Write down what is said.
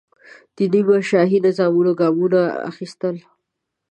د نیمه شاهي نظامونو ګامونه اخیستل.